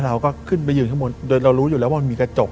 เราก็ขึ้นไปยืนข้างบนโดยเรารู้อยู่แล้วว่ามันมีกระจก